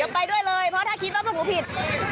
เดี๋ยวไปด้วยเลยเพราะถ้าคิดว่าพวกหนูผิด